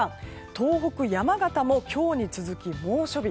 東北、山形も強に続き猛暑日。